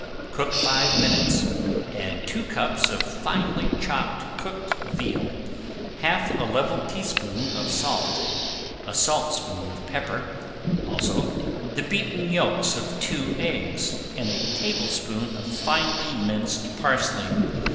Cook five minutes, add two cups of finely chopped cooked veal, half a level teaspoon of salt, a saltspoon of pepper, also the beaten yolks of two eggs, and a tablespoon of finely minced parsley.